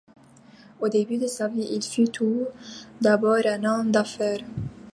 Au début de sa vie, il fut tout d'abord un homme d'affaires.